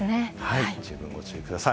十分ご注意ください。